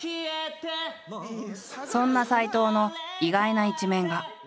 そんな斎藤の意外な一面が。